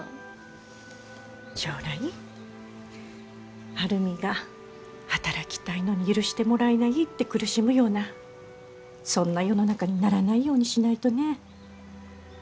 将来晴海が働きたいのに許してもらえないって苦しむようなそんな世の中にならないようにしないとね。